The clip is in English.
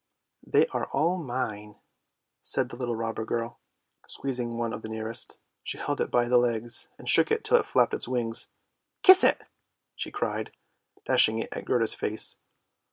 " They are all mine," said the little robber girl, seizing one of the nearest. She held it by the legs and shook it till it flapped its wings. " Kiss it," she cried, dashing it at Gerda's face.